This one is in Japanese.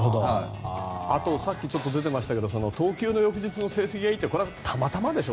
あと、さっき出てましたが投球の翌日の成績がいいってこれはたまたまでしょ。